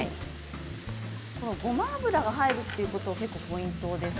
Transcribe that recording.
ごま油が入るということが結構ポイントです。